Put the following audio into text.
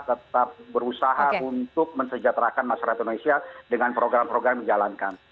tetap berusaha untuk mensejahterakan masyarakat indonesia dengan program program yang dijalankan